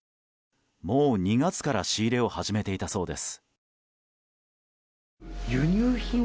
もう２月から仕入れを始めていたそうです。